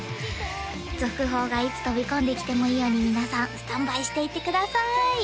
続報がいつ飛び込んできてもいいように皆さんスタンバイしていてください